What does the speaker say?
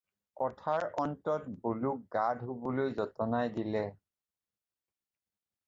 কথাৰ অন্তত বলোক গা ধুবলৈ যতনাই দিলে।